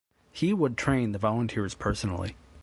He would train the volunteers personally.